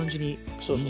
そうそう。